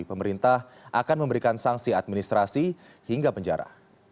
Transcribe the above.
pemerintah akan memberikan sanksi administrasi hingga penjara